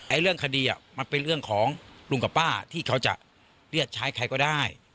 เรื่องคดีมันเป็นเรื่องของลุงกับป้าที่เขาจะเรียกใช้ใครก็ได้